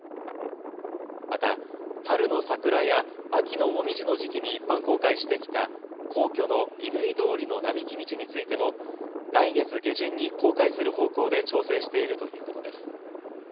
また春の桜や秋のもみじの時期に一般公開してきた皇居の乾通りの並木道についてもは来月下旬に公開する方向で調整しているということです。